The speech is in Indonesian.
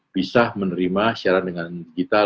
bisa menerima siaran dengan digital